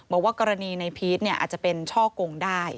บอกว่ากรณีในพีชอาจจะเป็นช่อกงได้